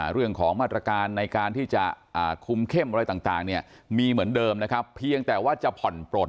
เรื่องของมาตรการในการที่จะคุมเข้มอะไรต่างเนี่ยมีเหมือนเดิมนะครับเพียงแต่ว่าจะผ่อนปลด